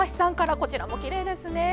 こちらもきれいですね。